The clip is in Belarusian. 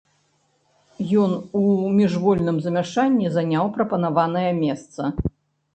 Ён у міжвольным замяшанні заняў прапанаванае месца.